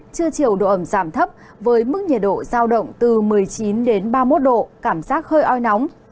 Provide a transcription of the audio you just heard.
trưa chiều độ ẩm giảm thấp với mức nhiệt độ giao động từ một mươi chín đến ba mươi một độ cảm giác hơi oi nóng